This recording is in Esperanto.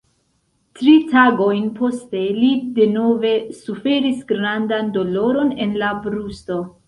Tri tagojn poste li denove suferis grandan doloron en la brusto.